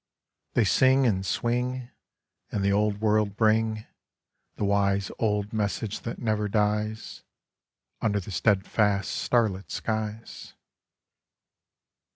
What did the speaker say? They sing and swing, And the old Word bring. The wise old Message that never dies. Under the steadfast starlit skies.